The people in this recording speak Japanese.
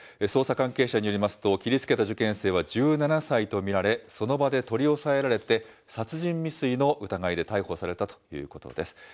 捜査関係者によりますと、切りつけた受験生は１７歳と見られ、その場で取り押さえられて、殺人未遂の疑いで逮捕されたということです。